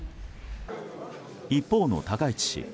一方の高市氏。